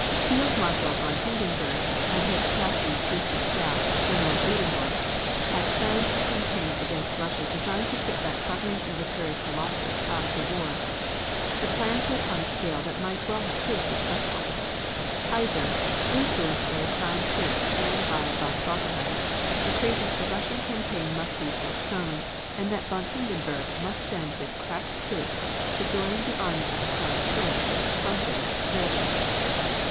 Field Marshal von Hindenburg and his crafty Chief of Staff, General Ludendorf, had planned a campaign against Russia designed to put that tottering military Colossus out of the war. The plans were upon a scale that might well have proved successful. The Kaiser, influenced by the Crown Prince and by von Falkenhayn, decreed that the Russian campaign must be postponed and that von Hindenburg must send his crack troops to join the army of the Crown Prince fronting Verdun.